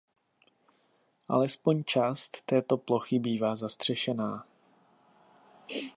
Alespoň část této plochy bývá zastřešená.